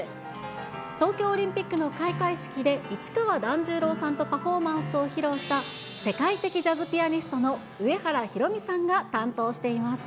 東京オリンピックの開会式で市川團十郎さんとパフォーマンスを披露した、世界的ジャズピアニストの上原ひろみさんが担当しています。